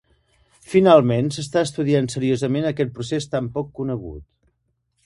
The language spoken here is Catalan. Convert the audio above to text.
Finalment s'està estudiant seriosament aquest procés tan poc conegut.